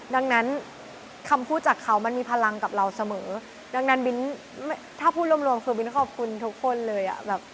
ดังนั้นคำพูดจากเขามันมีพลังกับเราเสมอดังนั้นบินถ้าพูดรวมคือบินขอบคุณทุกคนเลยอ่ะแบบ